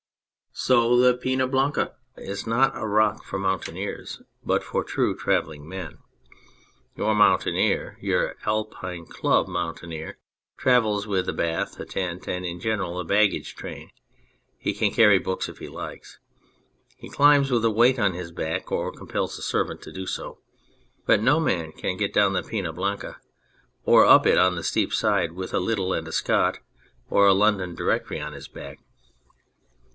So the Peiia Blanca ; it is not a rock for mountaineers, but for true travelling men. Your mountaineer, your Alpine Club mountaineer, travels with a bath, a tent, and in general a baggage train ; he can carry books if he likes ; he climbs with a weight on his back or compels a servant to do so, but no man can get down the Pena Blanca or up it on the steep side with a Liddell and Scott or a London Directory on his back.